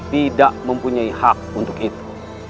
tidak mempunyai hak untuk itu